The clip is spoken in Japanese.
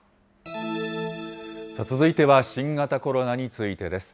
続いては新型コロナについてです。